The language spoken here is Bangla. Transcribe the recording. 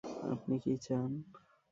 আপনি কী চান?